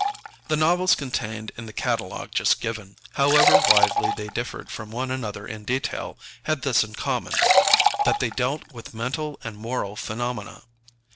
The novels contained in the catalogue just given, however widely they differed from one another in detail, had this in common: that they dealt with mental and moral phenomena.